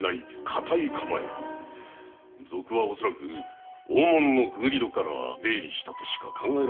賊は恐らく大門の潜り戸から出入りしたとしか考えられません。